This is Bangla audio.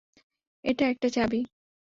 এটা একটা চাবি।